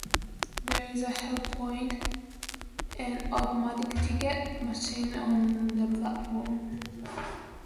There is a help-point and automatic ticket machine on the platform.